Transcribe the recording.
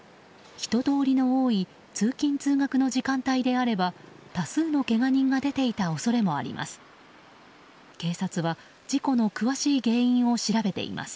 人通りの多い通勤・通学の時間帯であれば多数のけが人が出ていた恐れもあります。